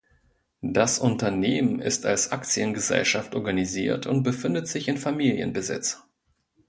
Das Unternehmen ist als Aktiengesellschaft organisiert und befindet sich in Familienbesitz.